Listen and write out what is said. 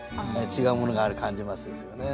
違うものがある感じますですよね。